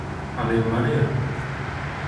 ¿A de En Marea?